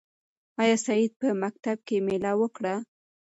آیا سعید په مکتب کې مېله وکړه؟